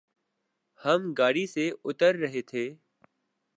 ہم گاڑی سے اتر رہ تھے